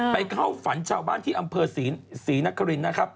เข้าฝันชาวบ้านที่อำเภอศรีนครินนะครับ